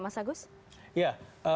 mas agus ya